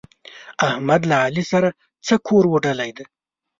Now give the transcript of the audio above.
احمد له علي سره څه کور اوډلی دی؟!